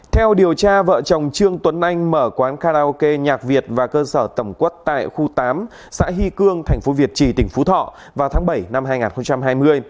theo điều tra vợ chồng trương tuấn anh mở quán karaoke nhạc việt và cơ sở tổng quất tại khu tám xã hy cương tp việt trì tỉnh phú thọ vào tháng bảy năm hai nghìn hai mươi